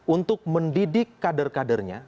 untuk mendidik kader kadernya